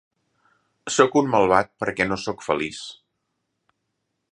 Soc un malvat perquè no soc feliç.